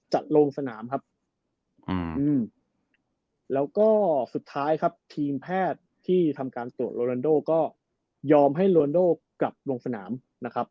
จะลงสนามครับแล้วก็สุดท้ายครับทีมแพทย์ที่ทำการตรวจโรลันโดก็ยอมให้โรนโดกลับลงสนามนะครับ